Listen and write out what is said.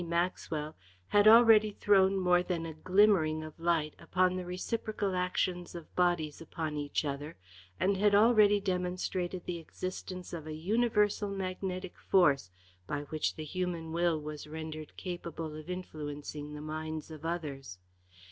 Maxwell had already thrown more than a glimmering of light upon the reciprocal action of bodies upon each other, and had already demonstrated the existence of a universal magnetic force by which the human will was rendered capable of influencing the minds of others.